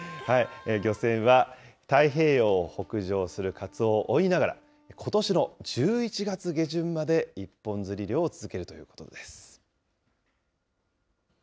漁船は太平洋を北上するカツオを追いながら、ことしの１１月下旬まで一本釣り漁を続けるということです。